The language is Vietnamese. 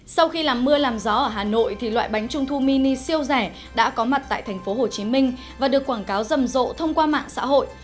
sau khi làm mưa làm gió ở hà nội thì loại bánh trung thu mini siêu rẻ đã có mặt tại tp hcm và được quảng cáo rầm rộ thông qua mạng xã hội